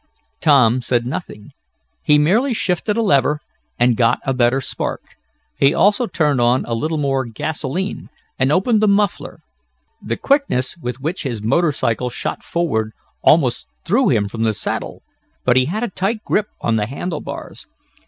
Tom said nothing. He merely shifted a lever, and got a better spark. He also turned on a little more gasolene and opened the muffler. The quickness with which his motor cycle shot forward almost threw him from the saddle, but he had a tight grip on the handle bars.